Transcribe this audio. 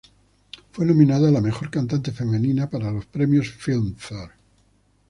Fue nominada a la Mejor Cantante Femenina para los premios Filmfare.